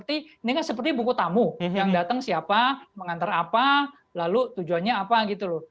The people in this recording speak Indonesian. ini kan seperti buku tamu yang datang siapa mengantar apa lalu tujuannya apa gitu loh